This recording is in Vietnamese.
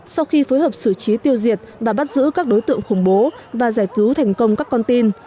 sau khi phối hợp xử trí tiêu diệt và bắt giữ các đối tượng khủng bố và giải cứu thành công các con tin